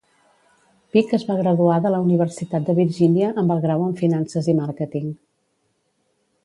Pic es va graduar de la Universitat de Virginia amb el grau en finances i màrqueting.